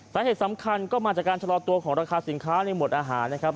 สาเหตุสำคัญก็มาจากการชะลอตัวของราคาสินค้าในหมวดอาหารนะครับ